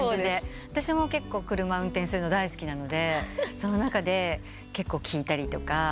私も結構車運転するの大好きなのでその中で結構聴いたりとか一緒に歌っちゃったりとか。